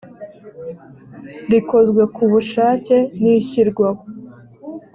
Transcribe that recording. rikozwe ku bushake n ishyirwaho